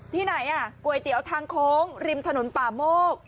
ที่ไหนก๋วยเตี๋ยวทางโค้งริมถนนป่าโมก